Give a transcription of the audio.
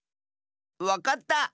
わかった！